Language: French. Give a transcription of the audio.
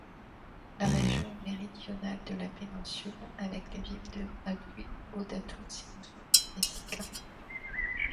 La région méridionale de la péninsule, avec les villes de Hakui, Hodatu-Simizu et Sika.